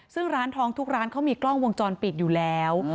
ซึ่งร้านทองทุกร้านเขามีกล้องวงจรปิดอยู่แล้ว